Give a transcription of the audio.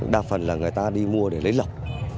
đa phần là người ta đi mua để lấy lọc